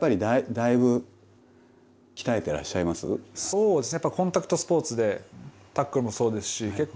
そうですね。